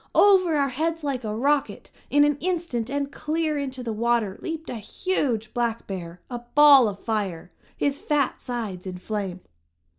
Over our heads like a rocket, in an instant and clear into the water, leaped a huge black bear, a ball of fire! his fat sides in flame.